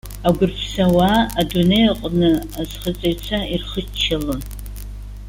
Агәырԥсауаа адунеи аҟны азхаҵаҩцәа ирхыччалон.